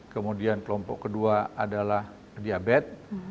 kemudian kelompok kedua adalah diabetes